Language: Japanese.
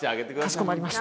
かしこまりました。